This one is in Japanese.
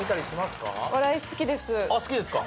好きですか。